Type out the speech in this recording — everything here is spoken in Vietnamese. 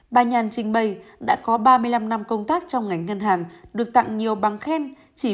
bà nhàn trình bày đã có ba mươi năm năm công tác trong ngành ngân hàng được tặng nhiều bằng khen